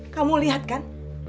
kamu lihat kan